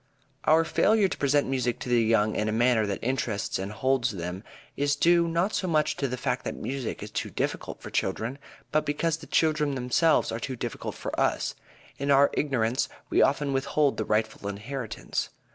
Our failure to present music to the young in a manner that interests and holds them is due not so much to the fact that music is too difficult for children, but because the children themselves are too difficult for us. In our ignorance we often withhold the rightful inheritance.